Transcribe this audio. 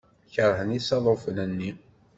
Keṛhen isaḍufen-nni.